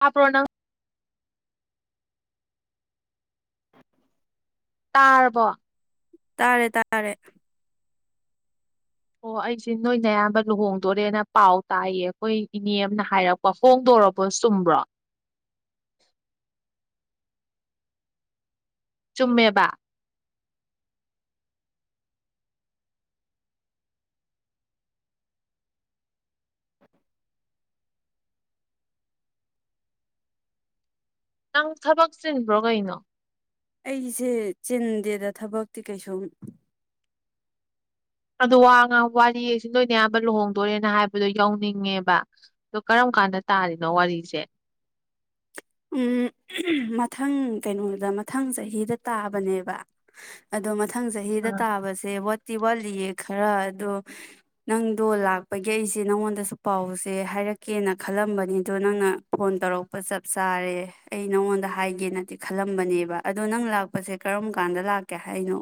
ꯍꯥꯥꯄ꯭ꯔꯣꯅ ꯇꯥꯔꯔꯕꯣ ꯇꯥꯔꯦ ꯇꯥꯔꯦ ꯑꯣ ꯑꯩꯁꯦ ꯅꯣꯏꯅ ꯑꯌꯥꯝꯕ ꯂꯨꯍꯣꯡꯗꯣꯔꯦꯅ ꯄꯥꯎ ꯇꯥꯏꯌꯦ ꯑꯩꯈꯣꯏ ꯏꯅꯦ ꯑꯃꯅ ꯍꯥꯏꯔꯛꯄ ꯍꯣꯡꯗꯣꯔꯔꯕꯣ ꯆꯨꯝꯕ꯭ꯔꯣ ꯆꯨꯝꯃꯦꯕ ꯅꯪ ꯊꯕꯛ ꯆꯤꯟꯕ꯭ꯔꯣ ꯀꯩꯅꯣ ꯑꯩꯁꯦ ꯆꯤꯟꯗꯦꯗ ꯊꯕꯛꯇꯤ ꯀꯩꯁꯨꯝ ꯑꯣ ꯋꯥ ꯋꯥꯔꯤꯁꯤ ꯂꯣꯏꯅ ꯑꯌꯥꯝꯕ ꯂꯨꯍꯣꯡꯗꯣꯔꯦꯅ ꯍꯥꯏꯕꯗꯣ ꯌꯧꯅꯤꯡꯉꯦꯕ ꯑ ꯀꯔꯝ ꯀꯥꯟꯗ ꯇꯥꯔꯤꯅꯣ ꯋꯥꯔꯤꯁꯦ ꯎꯝ ꯃꯊꯪ ꯀꯩꯅꯣꯗ ꯃꯊꯪ ꯆꯍꯤꯗ ꯇꯥꯕꯅꯦꯕ ꯑꯗꯣ ꯃꯊꯪ ꯆꯍꯤꯗ ꯑꯥ ꯇꯥꯕꯁꯦ ꯠ ꯐꯦꯁꯇꯤ ꯋꯥꯠꯂꯤꯌꯦ ꯈꯔ ꯑꯗꯣ ꯅꯪꯗꯣ ꯂꯥꯛꯄꯒꯤ ꯑꯩꯁꯦ ꯅꯪꯉꯣꯟꯗꯁꯨ ꯄꯥꯎꯁꯦ ꯍꯥꯏꯔꯛꯀꯦꯅ ꯈꯜꯂꯝꯕꯅꯤ ꯑꯗꯣ ꯅꯪꯅ ꯐꯣꯟ ꯇꯧꯔꯛꯄ ꯆꯠ ꯆꯥꯔꯦ ꯑꯩ ꯅꯉꯣꯟꯗ ꯍꯥꯏꯒꯦꯅꯗꯤ ꯈꯜꯂꯝꯕꯅꯦꯕ ꯑꯗꯣ ꯅꯪ ꯂꯥꯛꯄꯁꯦ ꯀꯔꯝ ꯀꯥꯟꯗ ꯂꯥꯛꯀꯦ ꯍꯥꯏꯅꯣ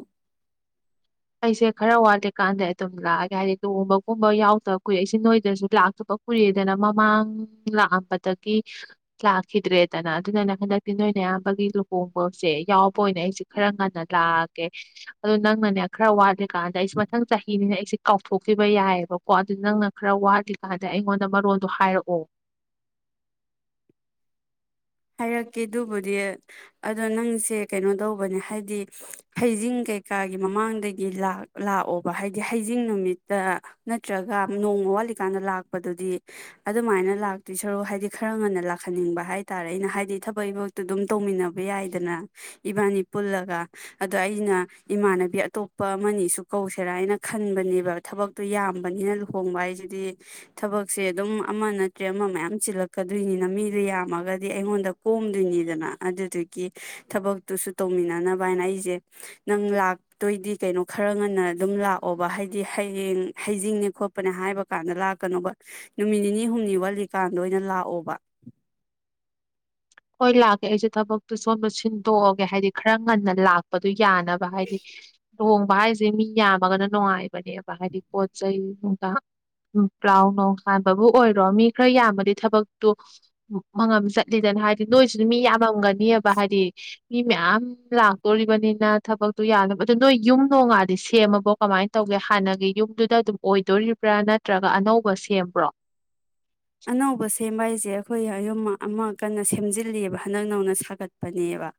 ꯑꯩꯁꯦ ꯈꯔ ꯋꯥꯠꯂꯤꯀꯥꯟꯗ ꯑꯗꯨꯝ ꯂꯥꯛꯑꯒꯦ ꯍꯥꯏꯗꯤ ꯂꯨꯍꯣꯡꯕꯒꯨꯝꯕ ꯌꯥꯎꯗꯕ ꯀꯨꯏꯦ ꯑꯩꯁꯦ ꯅꯣꯏꯗꯁꯨ ꯂꯥꯛꯇꯕ ꯀꯨꯏꯦꯗꯅ ꯃꯃꯥꯡ ꯂꯥꯛꯑꯝꯕꯗꯒꯤ ꯂꯥꯛꯈꯤꯗ꯭ꯔꯦꯗꯅ ꯑꯗꯨꯅꯅꯦ ꯍꯟꯗꯛꯇꯤ ꯅꯣꯏꯅ ꯑꯌꯥꯝꯕꯒꯤ ꯂꯨꯍꯣꯡꯕꯁꯦ ꯌꯥꯎꯕ ꯑꯣꯏꯅ ꯑꯩꯁꯦ ꯈꯔ ꯉꯟꯅ ꯂꯥꯛꯑꯒꯦ ꯑꯗꯨꯣ ꯅꯪꯅꯅꯦ ꯈꯔ ꯋꯥꯠꯂꯤꯀꯥꯟꯗ ꯑꯩꯁꯦ ꯃꯊꯪ ꯆꯍꯤꯅꯤꯅ ꯑꯩꯁꯦ ꯀꯥꯎꯊꯣꯛꯈꯤꯕ ꯌꯥꯏꯑꯕꯀꯣ ꯑꯗꯨ ꯅꯪꯅ ꯈꯔ ꯋꯥꯠꯂꯤꯀꯥꯟꯗ ꯑꯩꯉꯣꯟꯗ ꯃꯔꯣꯟꯗꯣ ꯍꯥꯏꯔꯛꯑꯣ ꯍꯥꯏꯔꯛꯀꯦ ꯑꯗꯨꯕꯨꯗꯤ ꯑꯗꯣ ꯅꯪꯁꯦ ꯀꯩꯅꯣ ꯇꯧꯕꯅꯦ ꯍꯥꯏꯗꯤ ꯍꯩꯖꯤꯡ ꯀꯩꯀꯥꯒꯤ ꯃꯃꯥꯡꯗꯒꯤ ꯂꯥꯛꯑꯣꯕ ꯍꯥꯏꯗꯤ ꯍꯩꯖꯤꯡ ꯅꯨꯃꯤꯠꯇ ꯅꯠꯇ꯭ꯔꯒ ꯅꯣꯡ ꯋꯥꯠꯂꯤꯀꯥꯟꯗ ꯂꯥꯛꯄꯗꯨꯗꯤ ꯑꯗꯨꯃꯥꯏꯅ ꯂꯥꯛꯇꯤ ꯁꯔꯨꯛ ꯍꯥꯏꯗꯤ ꯈꯔ ꯉꯟꯅ ꯂꯥꯛꯍꯟꯅꯤꯡꯕ ꯍꯥꯏꯔꯦ ꯍꯥꯏ ꯇꯥꯔꯦ ꯑꯩꯅ ꯍꯥꯏꯗꯤ ꯊꯕꯛ ꯏꯕꯛꯇꯣ ꯑꯗꯨꯝ ꯇꯧꯃꯤꯟꯅꯕ ꯌꯥꯏꯗꯅ ꯏꯕꯥꯅꯤ ꯄꯨꯜꯂꯒ ꯑꯗꯣ ꯑꯩꯅ ꯏꯃꯥꯟꯅꯕꯤ ꯑꯇꯣꯞꯄ ꯑꯃꯅꯤꯁꯨ ꯀꯧꯁꯦꯔꯥ ꯍꯥꯏꯅ ꯈꯟꯕꯅꯦꯕ ꯊꯕꯛꯇꯣ ꯌꯥꯝꯕꯅꯤꯅ ꯂꯨꯍꯣꯡꯕ ꯍꯥꯏꯁꯤꯗꯤ ꯊꯕꯛꯁꯦ ꯑꯗꯨꯝ ꯑꯃ ꯅꯠꯇ꯭ꯔꯦ ꯑꯃ ꯃꯌꯥꯝ ꯆꯤꯜꯂꯛꯀꯗꯣꯏꯅꯤꯅ ꯃꯤꯗꯣ ꯌꯥꯝꯃꯒ ꯍꯥꯏꯗꯤ ꯑꯩꯉꯣꯟꯗ ꯀꯣꯝꯗꯣꯏꯅꯤꯗꯅ ꯑꯗꯨꯗꯨꯒꯤ ꯊꯕꯛꯇꯨꯁꯨ ꯇꯧꯃꯤꯟꯅꯅꯕ ꯍꯥꯏꯅ ꯑꯩꯁꯦ ꯅꯪ ꯂꯥꯛꯇꯣꯏꯗꯤ ꯀꯩꯅꯣ ꯈꯔ ꯉꯟꯅ ꯑꯗꯨꯝ ꯂꯥꯛꯑꯣꯕ ꯍꯥꯏꯗꯤ ꯍꯌꯦꯡ ꯍꯩꯖꯤꯡꯅꯦ ꯈꯣꯠꯄꯅꯦ ꯍꯥꯏꯕ ꯀꯥꯟꯗ ꯂꯥꯛꯀꯅꯣꯕ ꯅꯨꯃꯤꯠ ꯅꯤꯅꯤ ꯍꯨꯝꯅꯤ ꯋꯥꯠꯂꯤꯀꯥꯟꯗ ꯑꯣꯏꯅ ꯂꯥꯛꯑꯣꯕ ꯍꯣꯏ ꯂꯥꯛꯀꯦ ꯑꯩꯁꯦ ꯊꯕꯛꯇꯨ ꯁꯣꯟꯕ ꯁꯤꯟꯗꯣꯛꯑꯒꯦ ꯍꯥꯏꯗꯤ ꯈꯔ ꯉꯟꯅ ꯂꯥꯛꯄꯗꯨꯣ ꯌꯥꯅꯕ ꯍꯥꯏꯗꯤ ꯂꯨꯍꯣꯡꯕ ꯍꯥꯏꯁꯦ ꯃꯤ ꯌꯥꯝꯃꯒꯅ ꯅꯨꯡꯉꯥꯏꯕꯅꯦꯕ ꯍꯥꯏꯗꯤ ꯄꯣꯠ ꯆꯩꯩ ꯅꯨꯡ ꯄ꯭ꯂꯥꯎ ꯅꯨꯡ ꯍꯥꯟꯕꯕꯨ ꯑꯣꯏꯔꯣ ꯃꯤ ꯈꯔ ꯌꯥꯝꯕꯗꯤ ꯊꯕꯛꯇꯨ ꯃꯉꯝ ꯆꯠ ꯂꯤꯗꯅ ꯍꯥꯏꯗꯤ ꯅꯣꯏꯁꯨꯗꯤ ꯃꯤ ꯌꯥꯝꯃꯝꯒꯅꯤꯕ ꯍꯥꯏꯗꯤ ꯃꯤ ꯃꯌꯥꯝ ꯂꯥꯛꯇꯣꯔꯤꯕꯅꯤꯅ ꯊꯕꯛꯇꯣ ꯌꯥꯅꯕ ꯑꯗꯨꯗ ꯅꯣꯏ ꯌꯨꯝ ꯅꯣꯡꯉꯥꯗꯤ ꯁꯦꯝꯃꯕꯣ ꯀꯃꯥꯏꯅ ꯇꯧꯒꯦ ꯍꯥꯟꯅꯒꯤ ꯌꯨꯝꯗꯨꯗ ꯑꯗꯨꯝ ꯑꯣꯏꯗꯣꯔꯤꯕ꯭ꯔꯥ ꯅꯠꯇ꯭ꯔꯒ ꯑꯅꯧꯕ ꯁꯦꯝꯕ꯭ꯔꯣ ꯑꯅꯧꯕ ꯁꯦꯝꯕ ꯍꯥꯏꯁꯦ ꯑꯩꯈꯣꯏ ꯌꯌꯨꯝ ꯑꯃ ꯀꯟꯅ ꯁꯦꯝꯖꯤꯜꯂꯤꯑꯕ ꯍꯟꯗꯛ ꯅꯧꯅ ꯁꯥꯒꯠꯄꯅꯦꯕ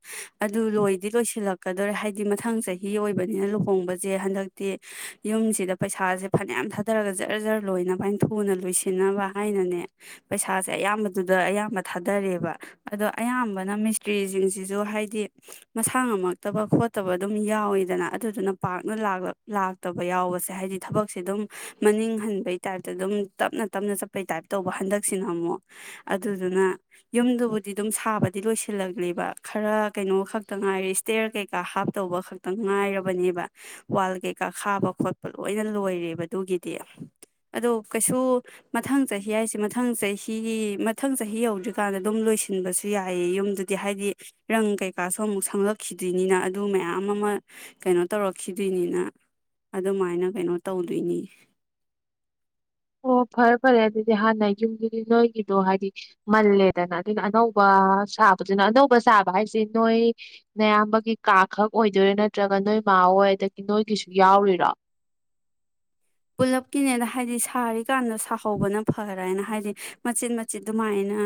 ꯑꯗꯨ ꯂꯣꯏꯗꯤ ꯂꯣꯏꯁꯤꯜꯂꯛꯀꯗꯧꯔꯦ ꯍꯥꯏꯕꯗꯤ ꯃꯊꯪ ꯆꯍꯤ ꯑꯣꯏꯕꯅꯤꯅ ꯂꯨꯍꯣꯡꯕꯁꯦ ꯍꯟꯗꯛꯇꯤ ꯌꯨꯝꯁꯤꯗ ꯄꯩꯁꯥꯁꯦ ꯐꯅꯌꯥꯝ ꯊꯥꯗꯔꯒ ꯖꯔ ꯖꯔ ꯂꯣꯏꯅꯕꯥꯏꯅ ꯊꯨꯅ ꯂꯣꯏꯁꯤꯟꯅꯕ ꯍꯥꯏꯅꯅꯦ ꯄꯩꯁꯥꯁꯦ ꯑꯌꯥꯝꯕꯗꯨꯗ ꯑꯌꯥꯝꯕ ꯊꯥꯗꯔꯦꯕ ꯑꯗꯣ ꯑꯌꯥꯝꯕꯅ ꯃꯤꯁꯇ꯭ꯔꯤꯁꯤꯡꯁꯤꯁꯨ ꯍꯥꯏꯗꯤ ꯃꯁꯥ ꯉꯝꯃꯛꯇꯕ ꯈꯣꯠꯇꯕ ꯑꯗꯨꯝ ꯌꯥꯎꯋꯗꯅ ꯑꯗꯨꯗꯨꯅ ꯄꯥꯛꯔꯅ ꯂꯥꯛꯇꯕ ꯌꯥꯎꯕꯁꯦ ꯍꯥꯏꯗꯤ ꯊꯕꯛꯁꯦ ꯑꯗꯨꯝ ꯃꯅꯤꯡ ꯍꯟꯕꯩ ꯇꯥꯏꯞꯇ ꯑꯗꯨꯝ ꯇꯞꯅ ꯇꯞꯅ ꯆ ꯀꯩ ꯇꯥꯏꯞ ꯇꯧꯕ ꯍꯟꯗꯛꯁꯤꯅ ꯑꯃꯨꯛ ꯑꯗꯨꯗꯨꯅ ꯌꯨꯝꯗꯨꯕꯨꯗꯤ ꯑꯗꯨꯝ ꯁꯥꯕꯗꯤ ꯂꯣꯏꯁꯤꯜꯂꯛꯂꯤꯕ ꯈꯔ ꯀꯩꯅꯣ ꯈꯛꯇ ꯉꯥꯏꯔꯦ ꯏꯁꯇꯦꯔ ꯀꯩꯀꯥ ꯍꯥꯞꯇꯧꯕ ꯈꯛꯇ ꯉꯥꯏꯔꯕꯅꯦꯕ ꯋꯥꯜ ꯀꯩꯀꯥ ꯈꯥꯕ ꯈꯣꯠꯄ ꯂꯣꯏꯅ ꯂꯣꯏꯔꯦꯕ ꯑꯗꯨꯒꯤꯗꯤ ꯑꯣ ꯀꯩꯁꯨ ꯃꯊꯪ ꯆꯍꯤ ꯍꯥꯏꯁꯦ ꯃꯊꯪ ꯆꯍꯤ ꯃꯊꯪ ꯆꯍꯤ ꯌꯧꯗ꯭ꯔꯤꯀꯥꯟꯗ ꯑꯗꯨꯝ ꯂꯣꯏꯁꯤꯟꯕꯁꯨ ꯌꯥꯏꯑ ꯌꯨꯝꯗꯨꯗꯤ ꯍꯥꯏꯗꯤ ꯔꯪ ꯀꯩꯀꯥꯁꯨ ꯑꯃꯨꯛ ꯁꯪꯂꯛꯈꯤꯗꯣꯏꯅꯤꯅ ꯑꯗꯨ ꯃꯌꯥꯝ ꯑꯃ ꯀꯩꯅꯣ ꯇꯧꯔꯛꯈꯤꯗꯣꯏꯅꯤꯅ ꯑꯗꯨꯃꯥꯏꯅ ꯀꯩꯅꯣ ꯇꯧꯗꯣꯏꯅꯤ ꯑꯣ ꯐꯔꯦ ꯐꯔꯦ ꯑꯗꯨꯗꯤ ꯍꯥꯟꯅ ꯌꯨꯝꯗꯨꯗꯤ ꯅꯣꯏꯒꯤꯗꯣ ꯍꯥꯏꯗꯤ ꯃꯜꯂꯦꯗꯅ ꯑꯗꯨꯅ ꯑꯅꯧꯕ ꯁꯥꯕꯗꯨꯅ ꯑꯅꯧꯕ ꯁꯥꯕ ꯍꯥꯏꯁꯤꯦ ꯅꯣꯏ ꯑꯌꯥꯝꯕꯒꯤ ꯀꯥ ꯈꯛ ꯑꯣꯏꯗꯣꯏꯔꯥ ꯅꯠꯇ꯭ꯔꯒ ꯅꯣꯏ ꯃꯥꯥꯑꯣ ꯑꯣꯏ ꯑꯗꯒꯤ ꯅꯣꯏꯒꯤꯁꯨ ꯌꯥꯎꯔꯤꯔꯣ ꯄꯨꯜꯂꯞꯀꯤꯅꯦꯗ ꯍꯥꯏꯗꯤ ꯁꯥꯔꯤꯀꯥꯟꯗ ꯁꯥꯍꯧꯕꯅ ꯐꯔ ꯍꯥꯏꯅ ꯍꯥꯏꯗꯤ ꯃꯆꯤꯠ ꯃꯆꯤꯠ ꯑꯗꯨꯃꯥꯏꯅ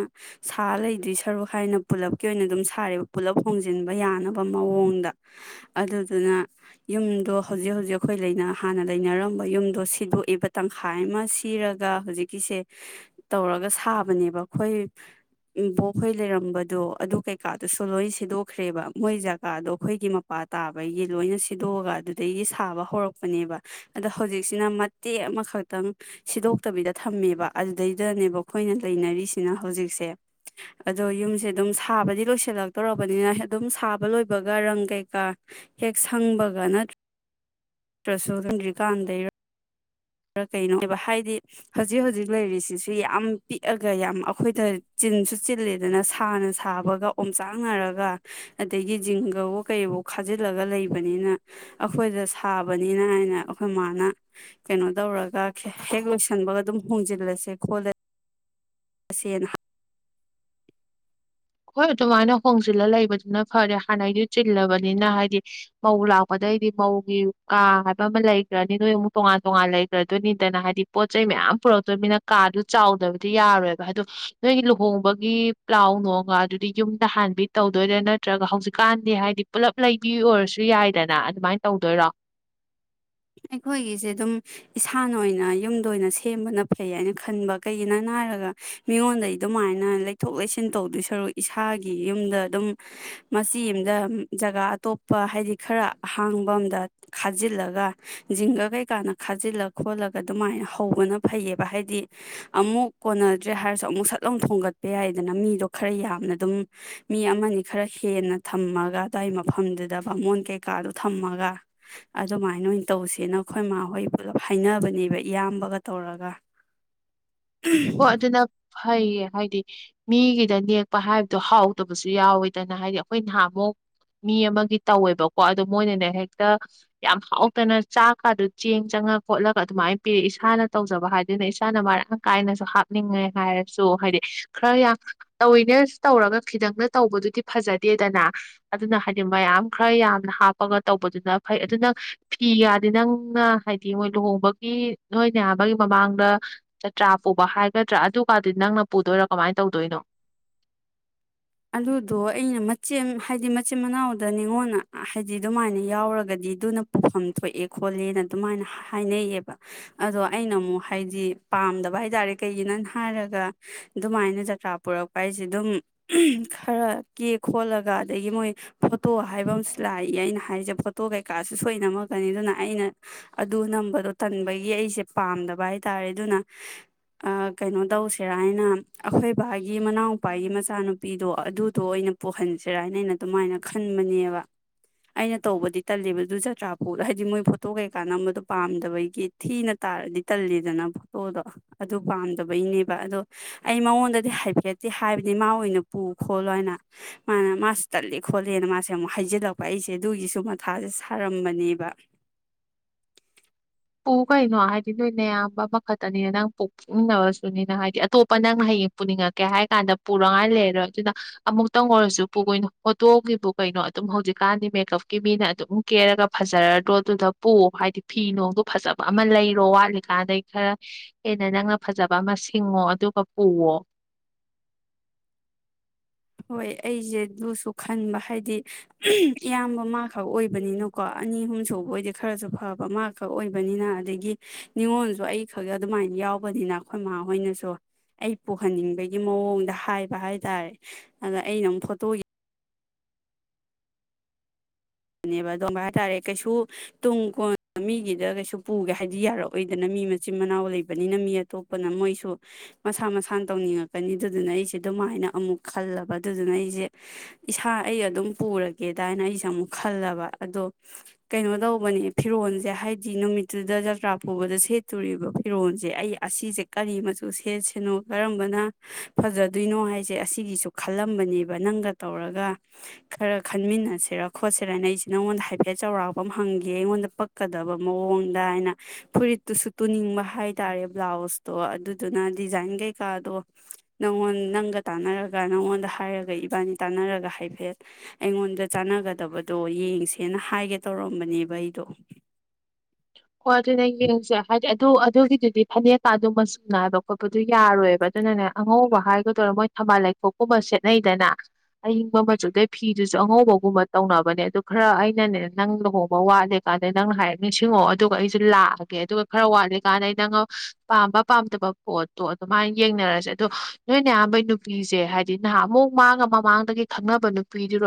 ꯁꯥ ꯂꯩꯗꯣꯏ ꯁꯔꯨꯛ ꯍꯥꯏꯅ ꯄꯨꯜꯂꯞꯀꯤ ꯑꯣꯏꯅ ꯑꯗꯨꯝ ꯁꯥꯔꯦꯕ ꯄꯨꯂꯞ ꯍꯣꯡꯖꯤꯟꯕ ꯌꯥꯅꯕ ꯃꯑꯣꯡꯗ ꯑꯗꯨꯗꯨꯅ ꯌꯨꯝꯗꯣ ꯍꯧꯖꯤꯛ ꯍꯧꯖꯤꯛ ꯑꯩꯈꯣꯏ ꯍꯥꯟꯅ ꯂꯩꯅꯔꯝꯕ ꯌꯨꯝ ꯑꯗꯣ ꯁꯤꯗꯣꯛꯏꯦꯕ ꯇꯪꯈꯥꯏ ꯑꯃ ꯁꯤꯔꯒ ꯍꯧꯖꯤꯛꯀꯤꯁꯦ ꯇꯧꯔꯒ ꯁꯥꯕꯅꯦꯕ ꯑꯩꯈꯣꯏꯕꯣꯛꯈꯣꯏ ꯂꯩꯔꯝꯕꯗꯣ ꯑꯗꯨ ꯀꯩꯀꯥꯗꯨꯁꯨ ꯂꯣꯏꯅ ꯁꯤꯗꯣꯛꯈ꯭ꯔꯦꯕ ꯃꯣꯏ ꯖꯒꯥꯗꯣ ꯑꯩꯈꯣꯏꯒꯤ ꯃꯄꯥ ꯇꯥꯕꯒꯤ ꯂꯣꯏꯅ ꯁꯤꯗꯣꯛꯑꯒ ꯑꯗꯨꯗꯒꯤ ꯁꯥꯕ ꯍꯧꯔꯛꯄꯅꯦꯕ ꯑꯗꯣ ꯍꯧꯖꯤꯛ ꯍꯧꯖꯤꯛ ꯁꯤꯅ ꯃꯇꯦꯛ ꯑꯃꯈꯛꯇꯪ ꯁꯤꯗꯣꯛꯇꯕꯤꯗ ꯊꯝꯃꯦꯕ ꯑꯗꯨꯗꯩꯗꯅꯦꯕ ꯑꯩꯈꯣꯏꯅ ꯂꯩꯅꯔꯤꯁꯤꯅ ꯍꯧꯖꯤꯛꯁꯦ ꯑꯗꯣ ꯌꯨꯝꯁꯦ ꯑꯗꯨꯝ ꯁꯥꯕꯗꯤ ꯂꯣꯏꯁꯤꯜꯂꯛꯇꯧꯔꯕꯅꯤꯅ ꯑꯗꯨꯝ ꯁꯥꯕ ꯂꯣꯏꯕꯒ ꯔꯪ ꯀꯩꯀꯥ ꯍꯦꯛ ꯁꯪꯕꯒ ꯅꯠꯇ꯭ꯔ꯭ꯔꯁꯨ ꯑꯗꯨꯝꯗ꯭ꯔꯤꯀꯥꯟꯗ ꯈ ꯀꯩꯅꯣꯕ ꯍꯥꯏꯗꯤ ꯍꯧꯖꯤꯛ ꯍꯧꯖꯤꯛ ꯂꯩꯔꯤꯁꯤꯁꯨ ꯌꯥꯝ ꯄꯤꯛꯑꯒ ꯌꯥꯝ ꯑꯩꯈꯣꯏꯗ ꯆꯤꯟꯁꯨ ꯆꯤꯜꯂꯦꯗꯅ ꯁꯥꯅ ꯁꯥꯕꯒ ꯑꯣꯝꯆꯥꯡꯅꯔꯒ ꯑꯗꯒꯤ ꯖꯤꯡꯒꯕꯨ ꯀꯩꯕꯨ ꯈꯥꯖꯤꯜꯂꯒ ꯂꯩꯕꯅꯤꯅ ꯑꯩꯈꯣꯏꯗ ꯁꯥꯕꯅꯤꯅ ꯍꯥꯏꯅ ꯑꯩꯈꯣꯏ ꯃꯥꯅ ꯀꯩꯅꯣ ꯇꯧꯔꯒ ꯍꯦꯛ ꯂꯣꯏꯁꯟꯕꯒ ꯑꯗꯨꯝ ꯍꯣꯡꯖꯤꯜꯂꯁꯦ ꯈꯣꯠꯂ ꯇꯁꯦꯟꯅ ꯍꯣꯏ ꯑꯗꯨꯃꯥꯏꯅ ꯍꯣꯡꯖꯤꯜꯂ ꯂꯩꯕꯗꯨꯅ ꯐꯔꯦ ꯍꯥꯟꯅꯩꯗꯨ ꯆꯤꯜꯂꯕꯅꯤꯅ ꯍꯥꯏꯗꯤ ꯃꯧ ꯂꯥꯛꯄꯗꯩꯗꯤ ꯃꯧꯒꯤ ꯀꯥ ꯍꯥꯏꯕ ꯑꯃ ꯂꯩꯈ꯭ꯔꯅꯤ ꯅꯣꯏ ꯑꯃꯨꯛ ꯇꯣꯉꯥꯟ ꯇꯣꯉꯥꯟ ꯂꯩꯈ꯭ꯔꯗꯣꯏꯅꯤꯗꯅ ꯍꯥꯏꯗꯤ ꯄꯣꯠ ꯆꯩ ꯃꯌꯥꯝ ꯄꯨꯔꯛꯇꯣꯏꯅꯤꯅ ꯀꯥꯗꯨ ꯆꯥꯎꯗꯕꯗꯤ ꯌꯥꯔꯣꯏꯕ ꯑꯗꯨꯗ ꯅꯣꯏꯒꯤ ꯂꯨꯍꯣꯡꯕꯒꯤ ꯄ꯭ꯂꯥꯎ ꯅꯨꯡ ꯑꯗꯨꯗꯤ ꯌꯨꯝꯗ ꯍꯥꯟꯕꯤ ꯇꯧꯗꯣꯏꯗꯥ ꯅꯠꯇ꯭ꯔꯒ ꯍꯧꯖꯤꯛꯀꯥꯟꯗꯤ ꯍꯥꯏꯗꯤ ꯄꯨꯜꯂꯞ ꯂꯩꯕꯤ ꯑꯣꯏꯔꯁꯨ ꯌꯥꯏꯗꯅ ꯑꯗꯨꯃꯥꯏꯅ ꯇꯧꯗꯣꯏꯔꯣ ꯑꯩꯈꯣꯏꯒꯤꯁꯦ ꯑꯗꯨꯝ ꯏꯁꯥꯅ ꯑꯣꯏꯅ ꯌꯨꯝꯗ ꯑꯣꯏꯅ ꯁꯦꯝꯕꯅ ꯐꯩ ꯍꯥꯏꯅ ꯈꯟꯕ ꯀꯩꯒꯤꯅꯣ ꯍꯥꯏꯔꯒ ꯃꯤꯉꯣꯟꯗꯩ ꯑꯗꯨꯃꯥꯏꯅ ꯂꯩꯊꯣꯛ ꯂꯩꯁꯤꯟ ꯇꯧꯗꯣꯏ ꯁꯔꯨꯛ ꯏꯁꯥꯒꯤ ꯌꯨꯝꯗ ꯑꯗꯨꯝ ꯃꯆꯤ ꯑꯃꯝꯗ ꯖꯒꯥ ꯑꯇꯣꯞꯄ ꯍꯥꯏꯗꯤ ꯈꯔ ꯑꯍꯥꯡꯕ ꯑꯝꯗ ꯈꯥꯖꯤꯜꯂꯒ ꯖꯤꯡꯒ ꯀꯩꯀꯥꯅ ꯈꯥꯖꯤꯜꯂ ꯈꯣꯠꯂꯒ ꯑꯗꯨꯃꯥꯏꯅ ꯍꯧꯕꯅ ꯐꯩꯌꯦꯕ ꯍꯥꯏꯗꯤ ꯑꯃꯨꯛ ꯀꯣꯟꯅꯗ꯭ꯔꯦ ꯍꯥꯏꯔꯁꯨ ꯑꯃꯨꯛ ꯁꯠꯂꯥꯎ ꯊꯣꯡꯒꯠꯄ ꯌꯥꯏꯗꯅ ꯃꯤꯗꯣ ꯈꯔ ꯌꯥꯝꯅ ꯑꯗꯨꯝ ꯃꯤ ꯑꯃꯅꯤ ꯈꯔ ꯍꯦꯟꯅ ꯊꯝꯃꯒ ꯑꯗꯨꯋꯥꯏ ꯃꯐꯝꯗꯨꯗ ꯕꯥꯃꯣꯟ ꯀꯩꯀꯥꯗꯣ ꯊꯝꯃꯒ ꯑꯗꯨꯃꯥꯏꯅ ꯑꯣꯏꯅ ꯇꯧꯁꯦꯅ ꯑꯩꯈꯣꯏ ꯃꯥ ꯍꯣꯏ ꯄꯨꯂꯞ ꯍꯥꯏꯅꯕꯅꯦꯕ ꯏꯌꯥꯝꯕꯒ ꯇꯧꯔꯒ ꯑꯣ ꯑꯗꯨ ꯑꯗꯨꯅ ꯐꯩꯌꯦ ꯍꯥꯏꯗꯤ ꯃꯤꯒꯤꯗ ꯅꯦꯛꯄ ꯍꯥꯏꯕꯗꯣ ꯍꯥꯎꯗꯕꯁꯨ ꯌꯥꯎꯋꯦꯗꯅ ꯍꯥꯏꯗꯤ ꯑꯩꯈꯣꯏ ꯅꯍꯥꯟꯃꯨꯛ ꯃꯤ ꯑꯃꯒꯤ ꯇꯧꯋꯦꯕꯀꯣ ꯑꯗꯣ ꯃꯣꯏꯅꯅꯦ ꯍꯦꯛꯇ ꯌꯥꯝ ꯍꯥꯎꯇꯅ ꯆꯥꯛꯀꯗꯨ ꯆꯦꯡ ꯆꯪꯉ ꯈꯣꯠꯂꯒ ꯑꯗꯨꯃꯥꯏꯅ ꯄꯤꯔꯛꯑꯦ ꯏꯁꯥꯅ ꯇꯧꯖꯕ ꯍꯥꯏꯗꯨꯅ ꯏꯁꯥꯅ ꯃꯔꯥꯡ ꯀꯥꯏꯅ ꯍꯥꯞꯅꯤꯡꯉꯦ ꯍꯥꯏꯔꯁꯨ ꯍꯥꯏꯗꯤ ꯈꯔ ꯌꯥꯝ ꯇꯧꯤꯅꯦ ꯇꯧꯔꯒ ꯈꯤꯇꯪꯅ ꯇꯧꯕꯗꯨꯗꯤ ꯐꯖꯗꯦꯗꯅ ꯑꯗꯨꯅ ꯍꯥꯏꯗꯤ ꯃꯌꯥꯝ ꯈꯔ ꯌꯥꯝꯅ ꯍꯥꯞꯄꯒ ꯇꯧꯕꯗꯨꯅ ꯐꯩ ꯑꯗꯨ ꯅꯪ ꯐꯤꯒꯗꯤ ꯅꯪꯅ ꯍꯥꯏꯗꯤ ꯃꯣꯏ ꯂꯨꯍꯣꯡꯕꯒꯤ ꯅꯣꯏꯅꯌꯥꯝ ꯑꯃꯒꯤꯒꯤ ꯃꯃꯥꯡꯗ ꯆꯥꯇ꯭ꯔꯥ ꯄꯨꯕ ꯍꯥꯏꯒꯗ꯭ꯔꯥ ꯑꯗꯨꯒꯗꯤ ꯅꯪꯅ ꯄꯨꯗꯣꯏꯔꯥ ꯀꯃꯥꯏꯅ ꯇꯧꯗꯣꯏꯅꯣ ꯑꯗꯨꯗꯣ ꯑꯩꯅ ꯃꯆꯦ ꯍꯥꯏꯗꯤ ꯃꯆꯤꯟ ꯃꯅꯥꯎꯗ ꯅꯤꯉꯣꯟꯗ ꯍꯥꯏꯗꯤ ꯑꯗꯨꯃꯥꯏꯅ ꯌꯥꯎꯔꯒꯗꯤ ꯑꯗꯨꯅ ꯄꯨꯐꯝ ꯊꯣꯛꯑꯦ ꯈꯣꯠꯂꯦꯅ ꯑꯗꯨꯃꯥꯏꯅ ꯍꯥꯏꯅꯩꯌꯦꯕ ꯑꯗꯣ ꯑꯩꯅ ꯑꯃꯨꯛ ꯍꯥꯏꯗꯤ ꯄꯥꯝꯗꯕ ꯍꯥꯏ ꯇꯥꯔꯦ ꯀꯩꯒꯤꯅ ꯍꯥꯏꯔꯒ ꯑꯗꯨꯃꯥꯏꯅ ꯖꯇ꯭ꯔꯥ ꯄꯨꯔꯛꯄ ꯍꯥꯏꯁꯦ ꯑꯗꯨꯝ ꯈꯔ ꯀꯦ ꯈꯣꯠꯂꯒ ꯑꯗꯒꯤ ꯃꯣꯏ ꯐꯣꯇꯣ ꯍꯥꯏꯕ ꯑꯃꯁꯨ ꯂꯥꯛꯏ ꯑꯩꯅ ꯍꯥꯏꯁꯦ ꯐꯣꯇꯣ ꯀꯩꯀꯥꯁꯨ ꯁꯣꯏꯅꯝꯃꯛꯀꯅꯤ ꯑꯗꯨꯅ ꯑꯩꯅ ꯑꯗꯨ ꯅꯝꯕꯗꯣ ꯇꯟꯕꯒꯤ ꯑꯩꯁꯦ ꯄꯥꯝꯗꯕ ꯍꯥꯏ ꯇꯥꯔꯦ ꯑꯗꯨꯅ ꯀꯩꯅꯣ ꯇꯧꯁꯤꯔ ꯍꯥꯏꯅ ꯑꯩꯈꯣꯏ ꯕꯥꯒꯤ ꯃꯅꯥꯎꯎꯨꯄꯥꯒꯤ ꯃꯆꯥꯅꯨ ꯄꯤꯗꯣ ꯑꯗꯨꯗꯣ ꯑꯩꯅ ꯄꯣꯛꯍꯟꯁꯤꯔꯥ ꯍꯥꯏꯅ ꯑꯩꯅ ꯑꯗꯨꯃꯥꯏꯅ ꯈꯟꯕꯅꯦꯕ ꯑꯩꯅ ꯇꯧꯕꯗꯤ ꯇꯜꯂꯦꯕ ꯑꯗꯨ ꯆꯖꯇ꯭ꯔꯥꯄꯣꯛꯗ ꯍꯥꯏꯗꯤ ꯃꯣꯏ ꯐꯣꯇꯣ ꯀꯩꯀꯥꯟꯅꯝꯕꯗꯣ ꯄꯥꯝꯗꯕꯩꯒꯤ ꯊꯤꯅ ꯇꯥꯔꯗꯤ ꯇꯜꯂꯦꯗꯅ ꯐꯣꯇꯣꯗꯣ ꯑꯗꯨ ꯄꯥꯝꯗꯕꯩꯅꯦꯕ ꯑꯗꯣ ꯑꯩ ꯃꯉꯣꯟꯗꯗꯤ ꯍꯥꯏꯐꯦꯠꯇꯦ ꯍꯥꯏꯕꯗꯤ ꯃꯥ ꯑꯣꯏꯅ ꯄꯨ ꯈꯣꯠꯂꯣ ꯍꯥꯏꯅ ꯃꯥꯅ ꯃꯥꯁꯨ ꯇꯠꯂꯦ ꯈꯣꯠꯂꯦꯅ ꯃꯥꯁꯦ ꯑꯃꯨꯛ ꯍꯩꯖꯤꯜꯂꯛꯄ ꯑꯩꯁꯦ ꯑꯗꯨꯒꯤꯁꯨ ꯃꯊꯥꯁꯦ ꯁꯥꯔꯝꯕꯅꯦꯕ ꯄꯨ ꯀꯩꯅꯣ ꯍꯥꯏꯗꯤ ꯅꯣꯏꯅ ꯑꯌꯥꯝꯕ ꯃꯈꯛꯇꯅꯤꯅ ꯅꯪ ꯄꯣꯛꯅꯤꯡꯅꯕꯁꯨꯅꯤꯅ ꯍꯥꯏꯗꯤ ꯑꯇꯣꯞꯄ ꯅꯪ ꯍꯌꯦꯡ ꯄꯨꯅꯤꯡꯉꯛꯀꯦ ꯍꯥꯏ ꯀꯥꯟꯗ ꯄꯨꯔꯉꯥꯏ ꯂꯩꯔꯔꯣꯏ ꯑꯗꯨꯅ ꯑꯃꯨꯛꯇꯪ ꯑꯣꯏꯔꯁꯨ ꯄꯨꯈꯣꯏꯅꯣ ꯍꯣꯇꯣꯒꯤꯕꯨ ꯀꯩꯅꯣ ꯑꯗꯨꯝ ꯍꯧꯖꯤꯛꯀꯥꯟꯗꯤ ꯃꯦꯀꯞꯀꯤ ꯃꯤꯅ ꯑꯗꯨꯝ ꯀꯦꯔꯒ ꯐꯖꯔꯗ꯭ꯔꯣ ꯑꯗꯨꯗ ꯄꯨ ꯍꯥꯏꯗꯤ ꯐꯤ ꯅꯨꯡꯗ ꯐꯖꯕ ꯑꯃ ꯂꯩꯔꯣ ꯋꯥꯠꯂꯤꯀꯥꯟꯗꯩ ꯈꯔ ꯍꯦꯟꯅ ꯅꯪꯅ ꯐꯖꯕ ꯑꯃ ꯁꯤꯡꯉꯣ ꯑꯗꯨꯒ ꯄꯨꯋꯣ ꯍꯣꯏ ꯑꯩꯁꯦ ꯑꯗꯨꯁꯨ ꯈꯟꯕ ꯍꯥꯏꯗꯤ ꯏꯌꯥꯝꯕ ꯃꯥ ꯈꯛ ꯑꯣꯏꯕꯅꯤꯅꯀꯣ ꯑꯅꯤ ꯑꯍꯨꯝꯁꯨꯕ ꯑꯣꯏꯗꯤ ꯈꯔꯁꯨ ꯐꯕ ꯃꯥ ꯈꯛ ꯑꯣꯏꯕꯅꯤꯅ ꯑꯗꯒꯤ ꯅꯤꯉꯣꯟꯜꯁꯨ ꯑꯩꯈꯛ ꯑꯗꯨꯃꯥꯏꯅ ꯌꯥꯎꯕꯅꯤꯅ ꯑꯩꯈꯣꯏ ꯃꯥꯍꯣꯏꯅꯁꯨ ꯑꯩ ꯄꯨꯍꯟꯅꯤꯡꯕꯒꯤ ꯃꯑꯣꯡꯗ ꯍꯥꯏꯕ ꯍꯥꯏ ꯇꯔꯦ ꯑꯗ ꯑꯩꯅ ꯑꯃꯨꯛ ꯐꯣꯇꯣꯒꯤ ꯅꯦꯕ ꯑꯣꯕ ꯍꯥꯏꯇꯥꯔꯦ ꯀꯩꯁꯨ ꯇꯨꯡ ꯀꯣꯟ ꯃꯤꯒꯤꯗ ꯀꯩꯁꯨ ꯄꯨꯒꯦ ꯍꯥꯏꯕꯗꯤ ꯌꯥꯔꯛꯑꯣꯏꯗꯅ ꯃꯤ ꯃꯆꯤꯟ ꯃꯅꯥꯎ ꯂꯩꯕꯅꯤꯅ ꯃꯤ ꯑꯇꯣꯞꯄꯅ ꯃꯣꯏꯁꯨ ꯃꯁꯥ ꯃꯁꯥꯅ ꯇꯧꯅꯤꯡꯉꯛꯀꯅꯤ ꯑꯗꯨꯗꯨꯅ ꯑꯩꯁꯦ ꯑꯗꯨꯃꯥꯏꯅ ꯑꯃꯨꯛ ꯈꯜꯂꯕ ꯑꯗꯨꯗꯨꯅ ꯑꯩꯁꯦ ꯏꯁꯥ ꯑꯩ ꯑꯗꯨꯝ ꯄꯨꯔꯒꯦꯗ ꯍꯥꯏꯅ ꯑꯩꯁꯦ ꯑꯃꯨꯛ ꯈꯜꯂꯕ ꯑꯗꯣ ꯀꯩꯅꯣ ꯇꯧꯕꯅꯦ ꯐꯤꯔꯣꯜꯁꯦ ꯍꯥꯏꯗꯤ ꯅꯨꯃꯤꯠꯇꯨꯗ ꯖꯇ꯭ꯔꯥ ꯄꯨꯕꯗ ꯁꯦꯠꯇꯣꯔꯤꯕ ꯐꯤꯔꯣꯣꯟꯁꯦ ꯑꯩ ꯑꯁꯤꯁꯦ ꯀꯔꯤ ꯃꯆꯨ ꯁꯦꯠꯁꯤꯅꯣ ꯀꯔꯝꯕꯅ ꯐꯖꯗꯣꯏꯅꯣ ꯍꯥꯏꯁꯦ ꯑꯁꯤꯒꯤꯁꯨ ꯈꯜꯂꯝꯕꯅꯦꯕ ꯅꯪꯒ ꯇꯧꯔꯒ ꯈꯔ ꯈꯟꯃꯤꯟꯅꯁꯔ ꯈꯣꯠꯁꯔ ꯍꯥꯏꯅ ꯑꯩꯁꯦ ꯅꯪꯉꯣꯟꯗ ꯍꯥꯏꯐꯦꯠ ꯆꯥꯎꯔꯥꯛꯄ ꯑꯃ ꯍꯪꯒꯦ ꯑꯩꯉꯣꯟꯗ ꯄꯛꯀꯗꯕ ꯃꯑꯣꯡꯗ ꯍꯥꯏꯅ ꯐꯨꯔꯤꯠꯇꯨꯁꯨ ꯇꯨꯅꯤꯡꯕ ꯍꯥꯏꯇꯥꯔꯦ ꯕ꯭ꯂꯥꯎꯁꯇꯣ ꯑꯗꯨꯗꯨꯅ ꯗꯤꯖꯥꯏꯟ ꯀꯩꯀꯥꯗꯣ ꯅꯪꯉꯣꯟ ꯅꯪꯒ ꯇꯥꯟꯅꯔꯒ ꯅꯪꯉꯣꯟꯗ ꯍꯥꯏꯔꯒ ꯏꯕꯥꯅꯤ ꯇꯥꯟꯅꯔꯒ ꯍꯥꯏꯐꯦꯠ ꯑꯩꯉꯣꯟꯗ ꯆꯥꯟꯅꯒ ꯐꯠꯇꯕꯗꯣ ꯌꯦꯡꯁꯦꯅ ꯍꯥꯏꯒꯦ ꯇꯧꯔꯝꯕꯅꯦꯕ ꯑꯩꯗꯣ ꯍꯣꯏ ꯑꯗꯨꯅꯦ ꯌꯦꯡꯁꯦ ꯍꯥꯏꯗꯤ ꯑꯗꯨ ꯑꯗꯨꯒꯤꯗꯨꯗꯤ ꯐꯅꯦꯛꯀꯥ ꯑꯗꯨ ꯃꯆꯨꯝ ꯅꯥꯏꯕ ꯈꯣꯠꯄꯗꯨ ꯌꯥꯔꯣꯏꯑꯕ ꯑꯗꯨꯅꯅꯦ ꯑꯉꯧꯕ ꯍꯥꯏꯒꯗꯧꯔꯦ ꯃꯣꯏ ꯊꯝꯕꯥꯜ ꯂꯩꯈꯣꯛꯀꯨꯝꯕ ꯁꯦꯠꯅꯩꯗꯅ ꯑꯏꯤꯡꯕ ꯃꯆꯨꯗꯩ ꯐꯤꯗꯨꯁꯨ ꯑꯉꯧꯕꯒꯨꯝꯕ ꯇꯧꯅꯕꯅꯦ ꯑꯗꯨ ꯈꯔ ꯑꯩꯅꯅꯦ ꯅꯪ ꯂꯨꯍꯣꯡꯕ ꯋꯥꯠꯂꯦ ꯀꯥꯟꯗ ꯅꯪꯅ ꯍꯥꯏꯔꯛ ꯅꯤꯡꯁꯤꯡꯉꯛꯑꯣ ꯑꯗꯨꯒ ꯑꯩꯁꯨ ꯂꯥꯛꯑꯒꯦ ꯑꯗꯨꯒ ꯈꯔ ꯋꯥꯠꯂꯤꯀꯥꯟꯗ ꯅꯪ ꯄꯥꯝꯕ ꯄꯥꯝꯗꯕ ꯄꯣꯠꯇꯣ ꯑꯗꯨꯃꯥꯏꯅ ꯌꯦꯡꯅꯔꯁꯦ ꯑꯗꯣ ꯅꯣꯏꯅ ꯑꯌꯥꯝꯕꯩ ꯅꯨꯄꯤꯁꯦ ꯍꯥꯏꯗꯤ ꯅꯍꯥꯟ ꯑꯃꯨꯛ ꯃꯥꯡꯉ ꯃꯃꯥꯡꯗꯒꯤ ꯈꯪꯅꯕ ꯅꯨꯄꯤꯗꯨꯔ